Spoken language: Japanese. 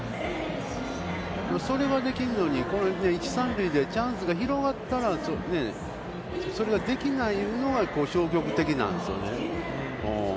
それができるのに、これで一・三塁でチャンスが広がったら、それができないというのが消極的なんですよね。